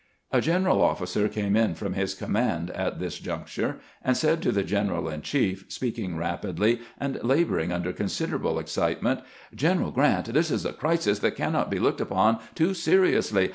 A general officer came in from his command at this juncture, and said to the general in chief, speaking rapidly and laboring under considerable excitement: " General Grant, this is a crisis that cannot be looked upon too seriously.